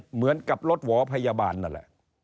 เหมือนกับรถหวอพยาบาลนั่นแหละ